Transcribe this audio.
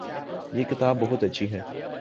یہ کتاب بہت اچھی ہے